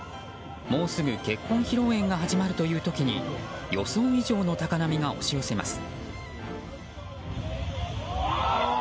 もうすぐ結婚披露宴が始まるという時に予想以上の高波が押し寄せます。